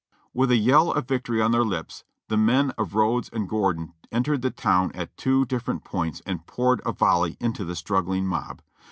With a yell of victory on their lips, the men of Rodes and Gordon entered the town at two different points and poured a volley into the struggling mob.